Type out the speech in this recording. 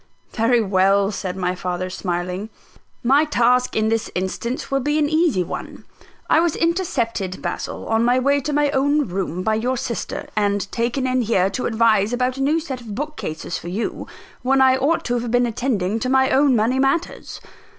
"Very well," said my father smiling; "my task in this instance will be an easy one. I was intercepted, Basil, on my way to my own room by your sister, and taken in here to advise about a new set of bookcases for you, when I ought to have been attending to my own money matters.